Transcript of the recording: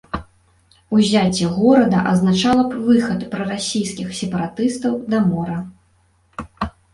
Узяцце горада азначала б выхад прарасійскіх сепаратыстаў да мора.